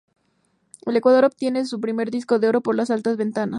En Ecuador obtiene su primer disco de oro por las altas ventas.